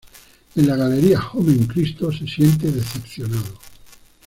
En la galería, Homem-Christo se siente decepcionado.